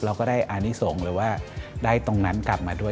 เราก็ได้อานิสงฆ์หรือว่าได้ตรงนั้นกลับมาด้วย